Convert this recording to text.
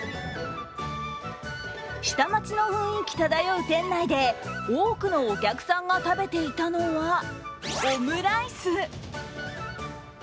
下町の雰囲気漂う店内で多くのお客さんが食べていたのはオムライス。